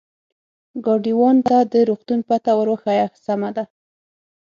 ګاډیوان ته د روغتون پته ور وښیه، سمه ده.